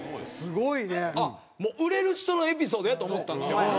あっ売れる人のエピソードやって思ったんですよ。